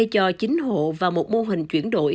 cho chính hộ và một mô hình chuyển đổi